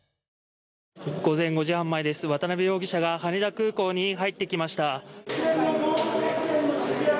午前５時半前です、渡辺容疑者が羽田空港に入ってきました。